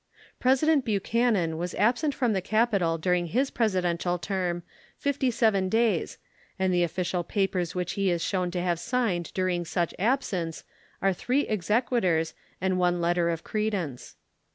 President Buchanan was absent from the capital during his Presidential term fifty seven days, and the official papers which he is shown to have signed during such absence are three exequaturs and one letter of credence.